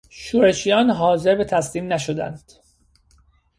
شورشیان حاضر به تسلیم نشدند.